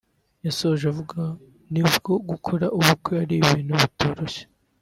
yasoje avuga n'ubwo gukora ubukwe ari ibintu bitoroshye